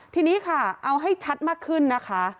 ทีนี้ค่ะเอาให้ชัดมากขึ้นนะคะ